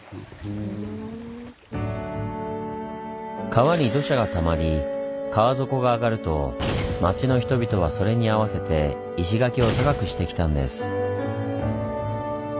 川に土砂がたまり川底が上がると町の人々はそれに合わせて石垣を高くしてきたんです。